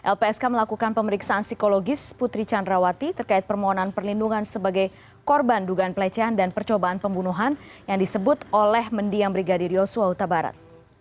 lpsk melakukan pemeriksaan psikologis putri candrawati terkait permohonan perlindungan sebagai korban dugaan pelecehan dan percobaan pembunuhan yang disebut oleh mendiam brigadir yosua utabarat